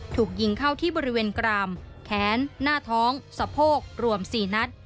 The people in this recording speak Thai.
ถูกยิงเข้าที่บริเวณกรามแขนหน้าท้องสะโพกรวม๔นัด